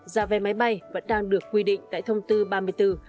giá vé máy bay vẫn đang được quy định tại thông tư ba mươi bốn